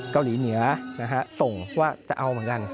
เกาหลีเหนือส่งว่าจะเอาเหมือนกัน